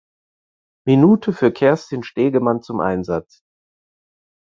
Minute für Kerstin Stegemann zum Einsatz.